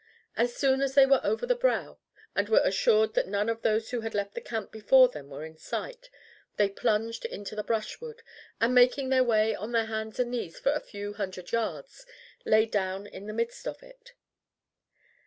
As soon as they were over the brow and were assured that none of those who had left the camp before them were in sight, they plunged into the brushwood, and, making their way on their hands and knees for a few hundred yards, lay down in the midst of it.